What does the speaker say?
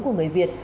của người việt